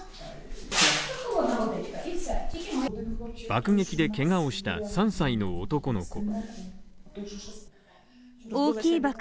爆撃でけがをした３歳の男の子。